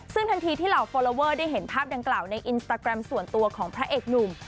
ซึ่งทันทีที่เหล่าฟอลลอเวอร์ได้เห็นภาพดังกล่าวในอินสตาแกรมส่วนตัวของพระเอกหนุ่ม